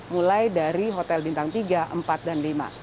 mulai dari hotel bintang tiga empat dan lima